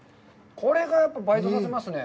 これがやっぱり倍増させますね。